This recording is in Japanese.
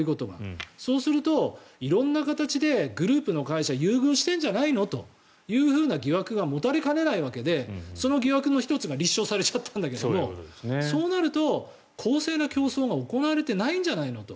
そうすると色んな形でグループの会社を優遇してるんじゃないのという疑惑が持たれかねないわけでその疑惑の１つが立証されちゃったんだけどそうなると、公正な競争が行われてないんじゃないの？と。